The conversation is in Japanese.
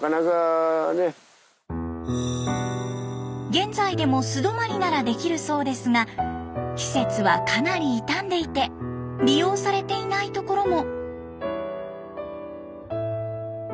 現在でも素泊まりならできるそうですが施設はかなり傷んでいて利用されていない所も。